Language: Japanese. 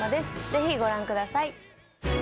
ぜひご覧ください。